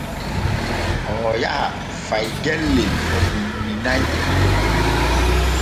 Oo yaha fay gellel o umminay.